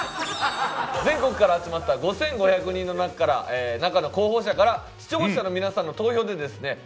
全国から集まった５５００人の中の候補者から視聴者の皆さんの投票でですね